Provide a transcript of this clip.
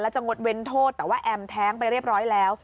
จะงดเว้นโทษแต่ว่าแอมแท้งไปเรียบร้อยแล้ว